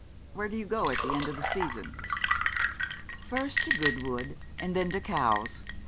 Where do you go at the end of the season?' 'First to Goodwood, and then to Cowes. Mr.